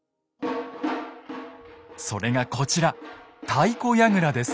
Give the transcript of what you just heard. それがこちら「太鼓やぐら」です。